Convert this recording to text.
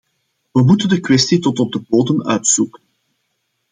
We moeten de kwestie tot op de bodem uitzoeken.